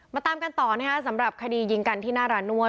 ตามกันต่อนะคะสำหรับคดียิงกันที่หน้าร้านนวด